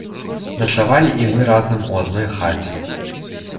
Начавалі і мы разам у адной хаце.